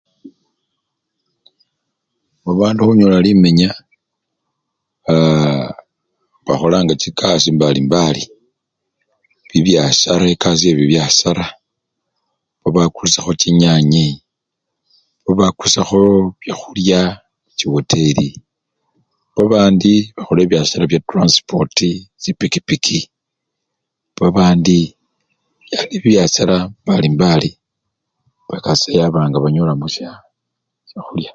Babandu khunyola limenya bakholanga chikasii mbali mbali, bibyasara ekasii yebibyasara, babakusyakho chinyanya, babakusyakho byakhulya muchiwateli, babandi bakhola bibyasara bya transipota chipikipiki, yani bibyasara mbali mbali pola banyolamo syakhulya.